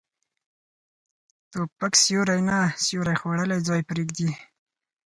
توپک سیوری نه، سیوری خوړلی ځای پرېږدي.